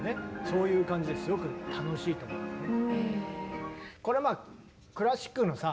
そういう感じですごく楽しいと思うんだよね。